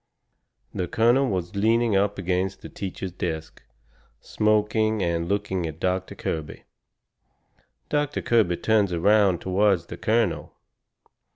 The colonel was leaning up agin the teacher's desk, smoking and looking at Doctor Kirby. Doctor Kirby turns around toward the colonel.